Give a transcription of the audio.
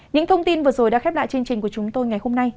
những thông tin vừa rồi đã khép lại chương trình của chúng tôi ngày hôm nay